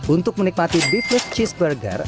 untuk menikmati beefless cheeseburger